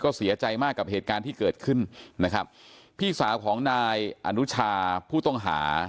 เสียใจมากกับเหตุการณ์ที่เกิดขึ้นนะครับพี่สาวของนายอนุชาผู้ต้องหา